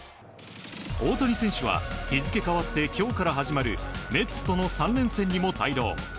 大谷選手は、日付変わってきょうから始まるメッツとの３連戦にも帯同。